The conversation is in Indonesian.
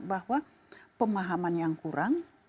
bahwa pemahaman yang kurang